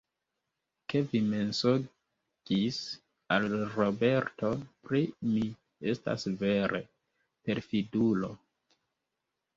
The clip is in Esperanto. Ke vi mensogis al Roberto pri mi, estas vere, perfidulo.